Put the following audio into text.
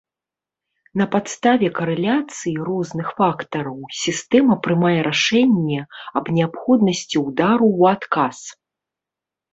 На падставе карэляцыі розных фактараў сістэма прымае рашэнне аб неабходнасці ўдару ў адказ.